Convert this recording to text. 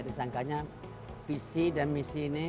disangkanya visi dan misi ini